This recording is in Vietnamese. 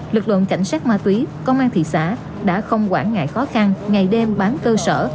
lực lượng cảnh sát ma túy công an thị xã đã không quản ngại khó khăn ngày đêm bám cơ sở